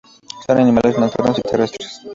Son animales nocturnos y terrestres.